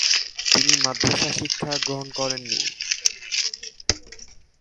তিনি মাদ্রাসা শিক্ষা গ্রহণ করেননি।